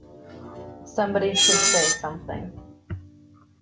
Somebody should say something